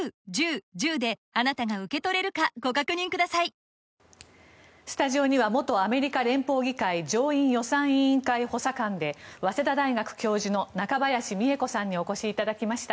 債務上限の引き上げ交渉にスタジオには元アメリカ連邦議会上院予算委員会補佐官で早稲田大学教授の中林美恵子さんにお越しいただきました。